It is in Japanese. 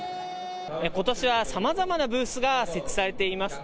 ことしはさまざまなブースが設置されています。